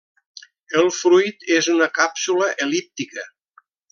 El fruit és una càpsula el·líptica.